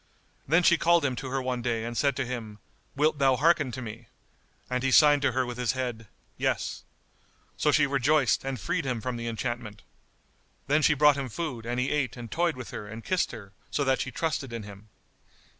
Then she called him to her one day and said to him, "Wilt thou hearken to me?" And he signed to her with his head, "Yes." So she rejoiced and freed him from the enchantment. Then she brought him food and he ate and toyed with her and kissed her, so that she trusted in him.